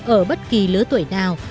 ở bất kỳ lứa tuổi nào